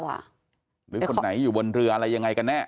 หรือคนไหนอยู่บนเรืออะไรยังไงกันแน่